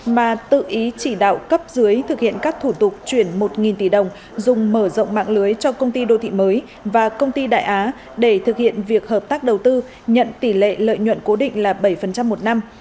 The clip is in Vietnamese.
mà tự ý chỉ đạo cấp dưới thực hiện các thủ tục chuyển một tỷ đồng dùng mở rộng mạng lưới cho công ty đô thị mới và công ty đại á để thực hiện việc hợp tác đầu tư nhận tỷ lệ lợi nhuận cố định là bảy một năm